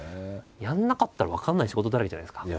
やらなかったら分からない仕事だらけじゃないですか。